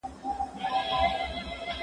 ایا د انلاین غونډو کیفیت ښه دی؟